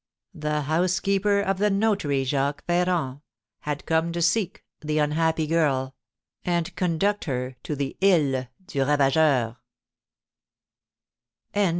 The housekeeper of the notary, Jacques Ferrand, had come to seek the unhappy girl, and conduct her to the Isle du Ravageur.